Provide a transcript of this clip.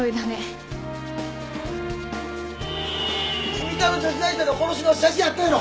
三田の女子大生の殺しの写真あったやろ！？